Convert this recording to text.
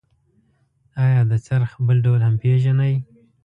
آیا د څرخ بل ډول هم پیژنئ؟